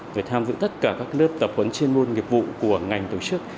phải tham dự tất cả các lớp tập huấn chuyên môn nghiệp vụ của ngành tổ chức